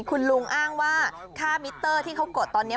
คุณลุงอ้างว่าค่ามิเตอร์ที่เขากดตอนนี้